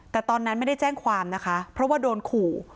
แต่ตอนนั้นไม่ได้แจ้งความนะคะเพราะว่าโดนขู่